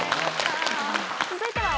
続いては。